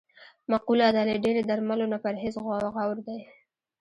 مقوله ده: له ډېری درملو نه پرهېز غور دی.